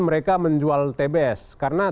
mereka menjual tbs karena